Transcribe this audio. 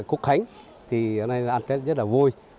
ngày cúc khánh thì hôm nay ăn tết rất là vui